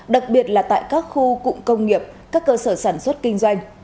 đặc biệt là tại các khu cụm công nghiệp các cơ sở sản xuất kinh doanh